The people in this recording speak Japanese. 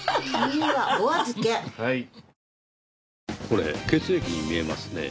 これ血液に見えますね。